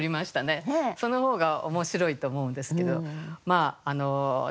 そのほうが面白いと思うんですけど。